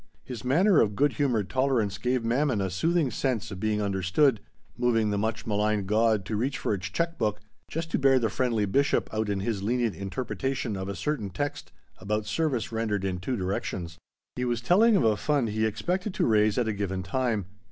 His manner of good humored tolerance gave Mammon a soothing sense of being understood, moving the much maligned god to reach for its check book, just to bear the friendly bishop out in his lenient interpretation of a certain text about service rendered in two directions. He was telling of a fund he expected to raise at a given time.